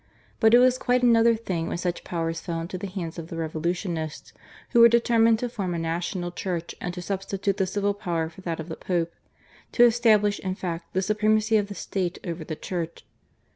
But it was quite another thing when such powers fell into the hands of the Revolutionists, who were determined to form a national Church and to substitute the civil power for that of the Pope; to establish, in fact, the supremacy of the State over the Church.